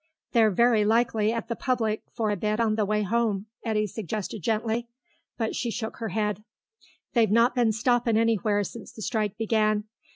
"They've very likely stopped at the public for a bit on the way home," Eddy suggested gently, but she shook her head. "They've not bin stoppin' anywhere since the strike began.